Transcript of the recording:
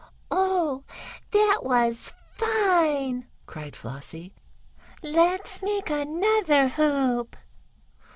"Oh, that was fine!" cried Flossie. "Let's make another hoop!"